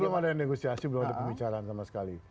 kita kan belum ada negosiasi belum ada pembicaraan sama sekali